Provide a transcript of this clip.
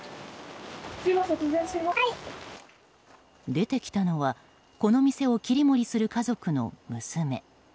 出てきたのはこの店を切り盛りする家族の娘。